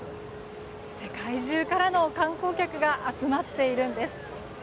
世界中からの観光客が集まっているんです。